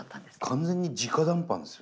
完全にじか談判ですよね。